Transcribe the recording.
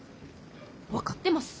分かってます。